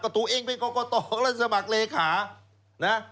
ตัวเองเป็นกรกตและสมัครเลขานะ